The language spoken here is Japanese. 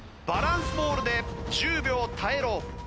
バランスボールで１０秒耐えろ。